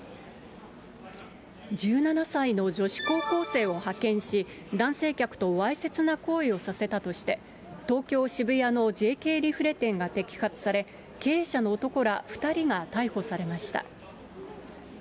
１７歳の女子高校生を派遣し、男性客とわいせつな行為をさせたとして、東京・渋谷のＪＫリフレ店が摘発され、経営者の男ら２人が逮捕されました。